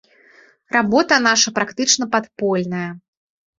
Работа наша практычна падпольная.